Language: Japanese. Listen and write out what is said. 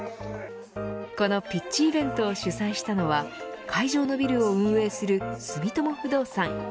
このピッチイベントを主催したのは会場のビルを運営する住友不動産。